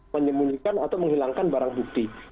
menyembunyikan atau menghilangkan barang bukti